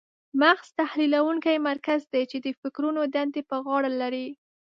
مغز تحلیلونکی مرکز دی چې د فکرونو دندې په غاړه لري.